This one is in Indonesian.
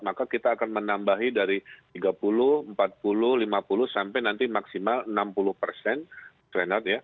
maka kita akan menambahi dari tiga puluh empat puluh lima puluh sampai nanti maksimal enam puluh persen renat ya